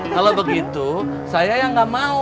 kalau begitu saya yang nggak mau